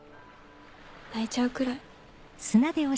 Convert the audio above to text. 泣いちゃうくらい。